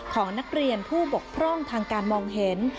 ของนักเรียนผู้บกพร่องทางการมองเห็น